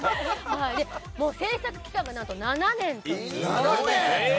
製作期間が何と７年ということで。